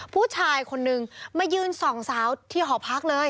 ผู้ชายคนนึงมายืนส่องสาวที่หอพักเลย